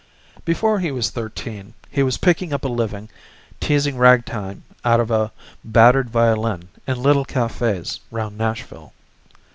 Before he was thirteen he was picking up a living teasing ragtime out of a battered violin in little cafés round Nashville.